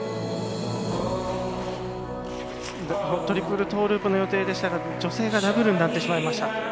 トリプルトーループの予定でしたが女性がダブルになってしまいました。